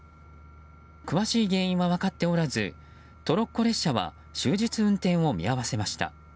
詳しい原因は分かっておらずトロッコ列車は終日運転を見合わせました。